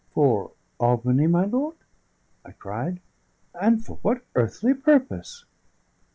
"For Albany, my lord?" I cried. "And for what earthly purpose?"